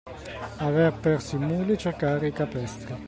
Aver perso i muli e cercare i capestri.